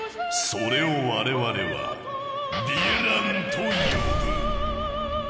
それを我々は「ヴィラン」と呼ぶ。